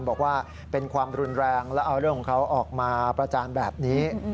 บอกว่าเป็นความรุนแรงแล้วเอาเรื่องของเขาออกมาประจานแบบนี้